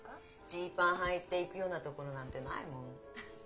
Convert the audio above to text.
ジーパンはいて行くような所なんてないもん。